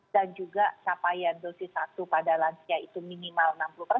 dan juga capaian dosis satu pada lansia itu minimal enam puluh